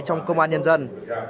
trong công an nhân dân